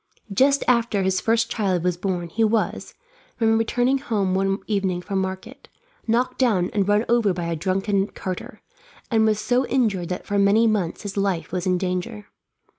Just after his first child was born he was, when returning home one evening from market, knocked down and run over by a drunken carter, and was so injured that for many months his life was in danger.